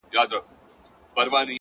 هره ناکامي نوی درک ورکوي،